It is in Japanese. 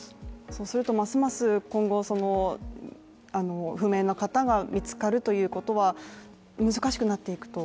そうするとますます今後、不明な方が見つかるということは難しくなっていくと？